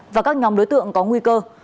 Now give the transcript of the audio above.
và các nhóm đối tượng có nguy cơ